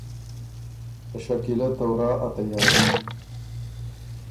ته شکیلۀ ته ورا ا تیاري